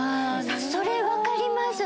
それ分かります！